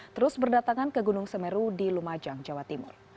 terus berdatangan ke gunung semeru di lumajang jawa timur